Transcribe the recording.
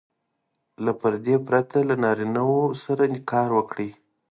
له پردې پرته له نارینه وو سره کار وکړي.